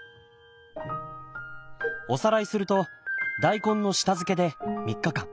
おさらいすると大根の下漬けで３日間。